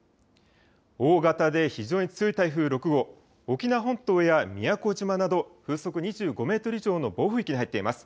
大型で非常に強い台風６号、沖縄本島や宮古島など風速２５メートル以上の暴風域に入っています。